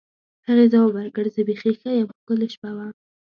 هغې ځواب ورکړ: زه بیخي ښه یم، ښکلې شپه وه.